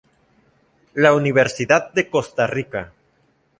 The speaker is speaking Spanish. La Universidad de Costa Rica.